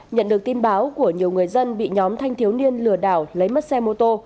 nhận được tin báo của nhiều người dân bị nhóm thanh thiếu niên lừa đảo lấy mất xe mô tô